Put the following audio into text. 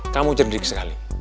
kamu cerdik sekali